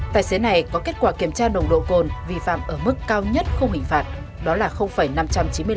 tài xế này có kết quả kiểm tra nồng độ côn vì phạm ở mức cao nhất không hình phạt đó là năm trăm chín mươi năm mg trên một lít khí thở